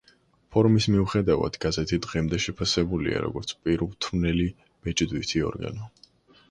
ფორმის მიუხედავად, გაზეთი დღემდე შეფასებულია როგორც პირუთვნელი ბეჭდვითი ორგანო.